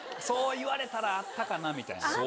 そう言われたらあったかなみたいな。